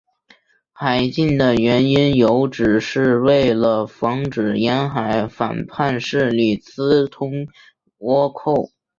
海禁的原因有指是为了防止沿海反叛势力私通倭寇。